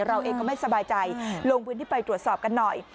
เราเองก็ไม่สบายใจลงพื้นที่ไปตรวจสอบกันหน่อย